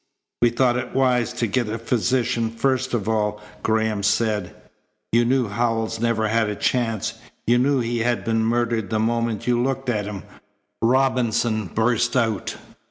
"We thought it wise to get a physician first of all," Graham said. "You knew Howells never had a chance. You knew he had been murdered the moment you looked at him," Robinson burst out.